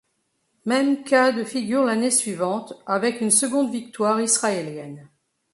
Même cas de figure l'année suivante, avec une seconde victoire israélienne.